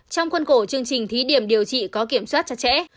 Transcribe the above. trong khuân cổ chương trình thí điểm điều trị có kiểm soát chặt chẽ